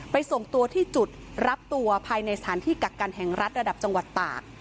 ส่งตัวที่จุดรับตัวภายในสถานที่กักกันแห่งรัฐระดับจังหวัดตาก